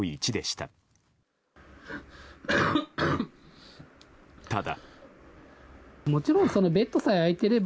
ただ。